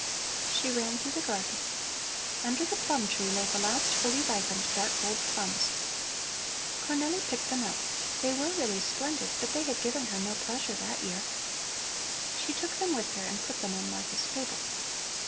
She ran through the garden. Under the plum tree lay the last fully ripened dark gold plums. Cornelli picked them up; they were really splendid, but they had given her no pleasure that year. She took them with her and put them on Martha's table.